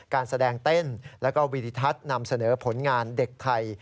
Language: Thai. การแสดงเต้นแล้วก็วีดิทัศน์นำเสนอผลงานเด็กไทย